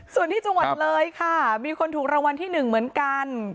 ส่วนที่จังหวัดเลยค่ะมีคนถูกรางวัลที่๑เหมือนกัน